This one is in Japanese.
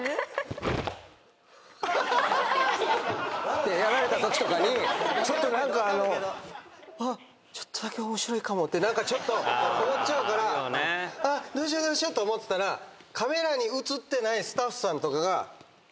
てやられたときとかにあっちょっとだけ面白いかもって何かちょっと思っちゃうからどうしようって思ってたらカメラに映ってないスタッフさんとかが。